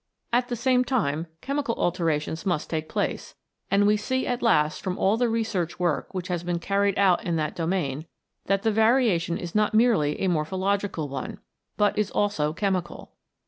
At the same time chemical alterations must take place, and we see at last from all the research work which has been carried out in that domain, that the variation is not merely a morphological one, but is also chemical.